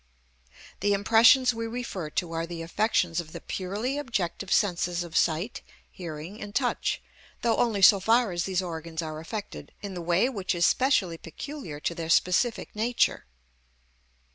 The impressions we refer to are the affections of the purely objective senses of sight, hearing, and touch, though only so far as these organs are affected in the way which is specially peculiar to their specific nature.